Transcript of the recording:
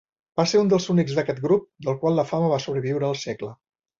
Va ser un dels únics d'aquest grup del qual la fama va sobreviure el segle.